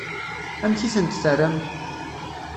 Amek i tent-terram?